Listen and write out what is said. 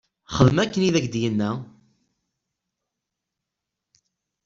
Xdem akken i ak-d-yenna.